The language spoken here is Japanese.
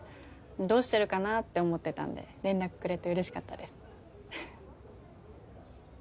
どうしてるかなって思ってたんで連絡くれてうれしかったです。